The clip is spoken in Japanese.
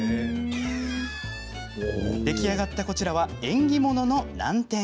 出来上がったこちらは縁起物のナンテン。